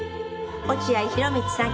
落合博満さん